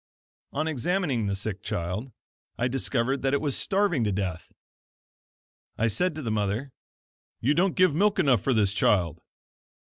On examining the sick child, I discovered that it was starving to death! I said to the mother: "You don't give milk enough for this child."